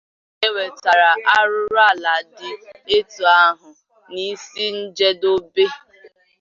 iji hụ na e wetara arụrụala dị etu ahụ n'isi njedobe.